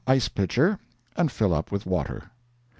ice pitcher, and fill up with water.